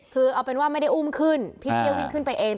คือเอาเป็นว่าไม่ได้อุ้มขึ้นพี่เตี้ยวิ่งขึ้นไปเอง